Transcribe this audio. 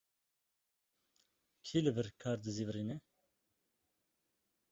Kî li vir kar dizîvirîne?